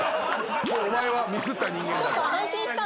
もうお前はミスった人間だと。